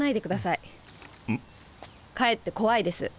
かえって怖いです。